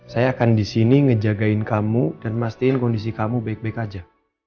saya akan di sini ngejagain kamu dan mastiin kondisi kamu baik baik aja